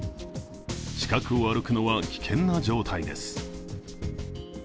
近くを歩くのは危険な状態です。